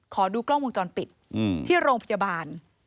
ขอดูกล้องวงจรปิดที่โรงพยาบาล